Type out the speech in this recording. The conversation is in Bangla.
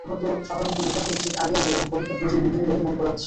সাধারণত, নির্বাচনের ঠিক আগে আগে এমন পদক্ষেপ নজিরবিহীন বলে মনে করা হচ্ছে।